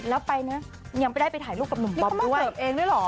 แล้วไปเนี้ยยังไม่ได้ไปถ่ายลูกกับหนุ่มบอมด้วยนี่เขามาเสิร์ฟเองด้วยหรอ